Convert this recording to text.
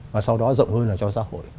và sau đó rộng hơn là cho xã hội